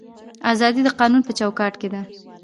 ازادي د قانون په چوکاټ کې ده